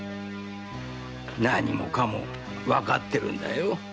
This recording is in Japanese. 何もかもわかってるんだよ。